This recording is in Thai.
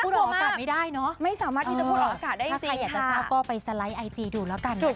ถ้าใครอยากจะทราบก็ไปสไลด์ไอจีดูแล้วกันนะคะ